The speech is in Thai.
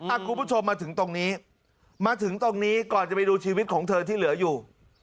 อ่ะคุณผู้ชมมาถึงตรงนี้ก่อนจะไปดูชีวิตของเธอที่เหลืออยู่